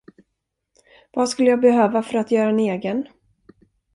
Vad skulle jag behöva för att göra en egen?